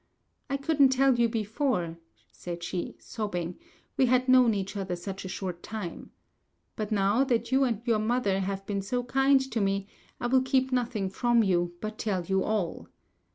"I couldn't tell you before," said she, sobbing; "we had known each other such a short time. But now that you and your mother have been so kind to me, I will keep nothing from you, but tell you all.